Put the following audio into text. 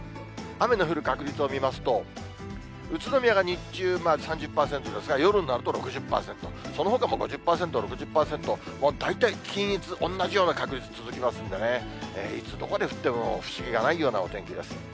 雨の降る確率を見ますと、宇都宮が日中３０％ですが、夜になると６０％、そのほかも５０％、６０％、大体均一、同じような確率、続きますんでね、いつ、どこで降っても不思議はないようなお天気です。